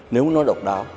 nếu nó độc đáo